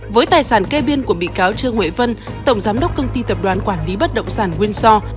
với tài sản kê biên của bị cáo trương huệ vân tổng giám đốc công ty tập đoàn quản lý bất động sản nguyên so